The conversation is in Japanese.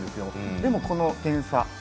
でも、この点差。